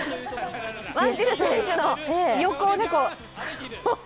ワンジル選手の横をね。